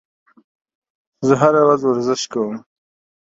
زه هره ورځ ورزش کوم